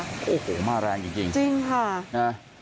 โอ้โฮมากแรงจริงนะคะจริงค่ะนะ